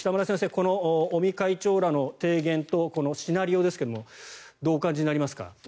この尾身会長らの提言とこのシナリオですがどうお感じになりますか？